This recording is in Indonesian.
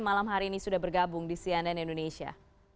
malam hari ini sudah bergabung di cnn indonesia